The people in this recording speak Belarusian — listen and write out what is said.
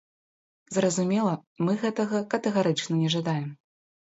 Зразумела, мы гэтага катэгарычна не жадаем.